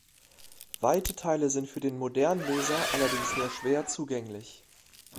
Weite Teile sind für den modernen Leser allerdings nur schwer zugänglich.